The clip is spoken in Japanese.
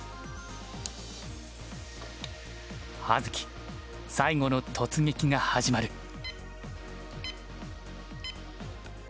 葉月最後の突撃が始まる。